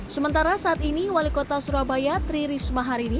sementara saat ini wali kota surabaya tri risma hari ini